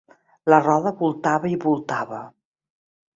La roda voltava i voltava.